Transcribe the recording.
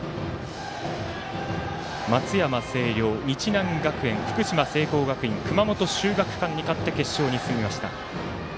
松山聖陵、日南学園、聖光学院熊本秀岳館に勝って決勝に進みました。